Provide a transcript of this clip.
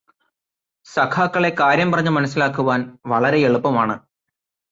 സഖാക്കളെ കാര്യം പറഞ്ഞു മനസ്സിലാക്കുവാൻ വളരെയെളുപ്പമാണ്.